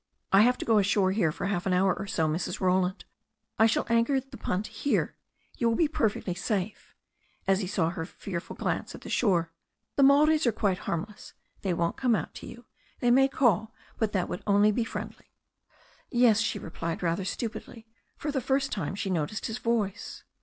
"I have to go ashore here for half an hour or so, Mrs^ Roland. I shall anchor the punt h^re. You will be perfectly safe," as he saw her fearful glance at the shore. "The Maoris are quite harmless. They won't come out to you. They may call, but that would only be friendly." "Yes," she replied rather stupidly. For the first time she noticed his voice.